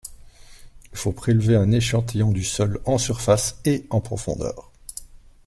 Il faut prélever un échantillon du sol en surface et en profondeur.